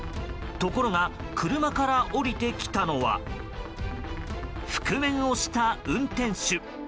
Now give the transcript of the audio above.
ところが車から降りてきたのは覆面をした運転手。